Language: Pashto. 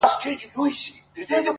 زما ياران اوس په دې شكل سـوله _